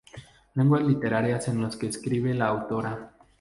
Lenguas literarias en los que escribe la autora.